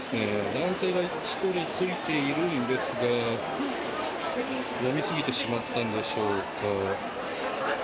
男性が一緒についているんですが飲みすぎてしまったんでしょうか。